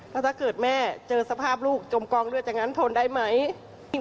ถ้าเกิดแม่เจอสภาพลูกจมกองเลือดอย่างนั้นทนได้ไหม